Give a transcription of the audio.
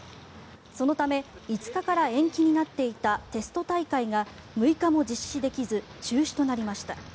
そのため、５日から延期になっていたテスト大会が６日も実施できず中止となりました。